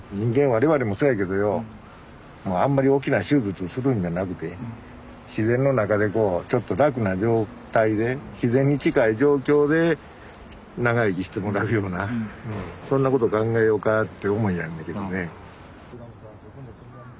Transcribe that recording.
我々もそうやけどよもうあんまり大きな手術するんじゃなくて自然の中でこうちょっと楽な状態で自然に近い状況で長生きしてもらうようなそんなこと考えようかって思いやんねけどね。